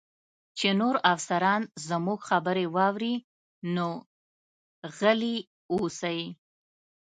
چې نور افسران زموږ خبرې واوري، نو غلي اوسئ.